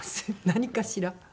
何かしら。